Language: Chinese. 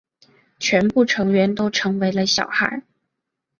全部成员都成为了小孩。